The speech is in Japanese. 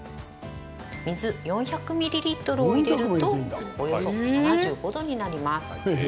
水４００ミリリットルを入れるとおよそ７５度になります。